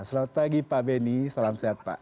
selamat pagi pak beni salam sehat pak